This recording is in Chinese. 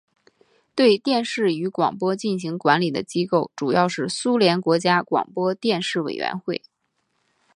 对电视与广播进行管理的机构主要是苏联国家广播电视委员会。